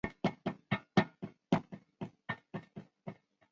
现有的议会。